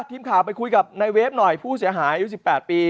ทีมข่าวไปคุยกับนายเวฟหน่อยผู้เสียหายอายุ๑๘ปี